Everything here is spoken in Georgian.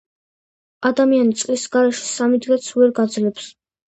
ადამიანი წყლის გარეშე სამი დღეც ვერ გაძლებს